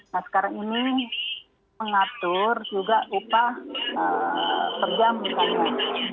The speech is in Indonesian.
nah sekarang ini mengatur juga upah per jam misalnya